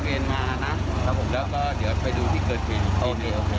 การเหลอะนะครับอ่ะผมแล้วก็เดี๋ยวไปดูที่เกิดเวธโอเคครับค่ะ